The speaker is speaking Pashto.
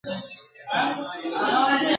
جهاني کړي غزلونه د جانان په صفت ستړي !.